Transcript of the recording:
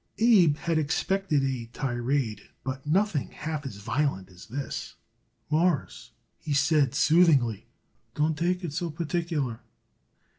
Abe had expected a tirade, but nothing half as violent as this. "Mawruss," he said soothingly, "don't take it so particular."